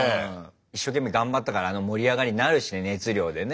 一生懸命頑張ったからあの盛り上がりになるし熱量でね。